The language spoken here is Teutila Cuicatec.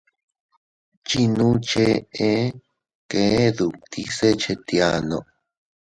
Chinno cheʼe kee dutti se chetiano.